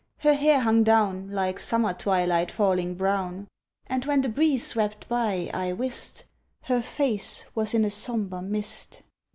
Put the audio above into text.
Her hair hung down Like summer twilight falling brown; And when the breeze swept by, I wist Her face was in a sombre mist.